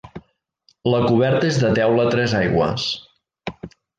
La coberta és de teula a tres aigües.